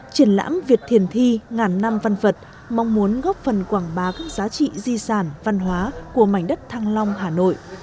triển lãm việt thiền thi ngàn năm văn vật mong muốn góp phần quảng bá các giá trị di sản văn hóa của mảnh đất thăng long hà nội